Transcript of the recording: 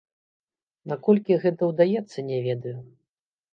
Наколькі гэта ўдаецца, не ведаю.